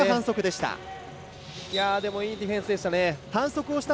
いいディフェンスでした。